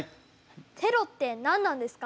テロって何なんですか？